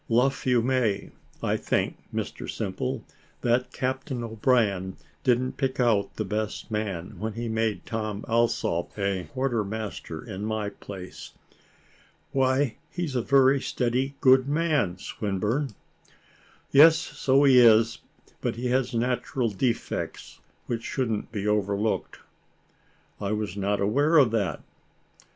Luff you may. I think, Mr Simple, that Captain O'Brien didn't pick out the best man, when he made Tom Alsop a quarter master in my place." "Why, he is a very steady, good man, Swinburne." "Yes, so he is; but he has natural defects, which shouldn't be overlooked." "I was not aware of that."